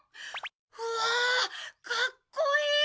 うわあかっこいい！